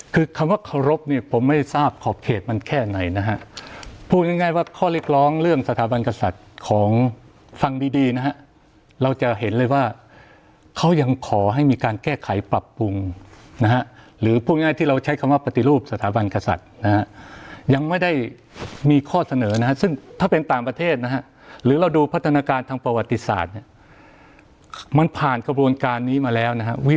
คือคำว่าเคารพเนี่ยผมไม่ทราบขอบเขตมันแค่ไหนนะฮะพูดง่ายว่าข้อเรียกร้องเรื่องสถาบันกษัตริย์ของฟังดีนะฮะเราจะเห็นเลยว่าเขายังขอให้มีการแก้ไขปรับปรุงนะฮะหรือพูดง่ายที่เราใช้คำว่าปฏิรูปสถาบันกษัตริย์นะฮะยังไม่ได้มีข้อเสนอนะฮะซึ่งถ้าเป็นต่างประเทศนะฮะหรือ